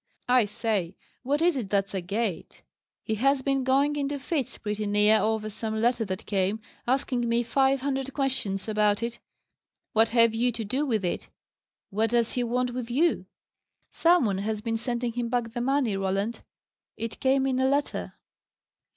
"I say, what is it that's agate? He has been going into fits, pretty near, over some letter that came, asking me five hundred questions about it. What have you to do with it? What does he want with you?" "Some one has been sending him back the money, Roland. It came in a letter."